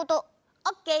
オッケー！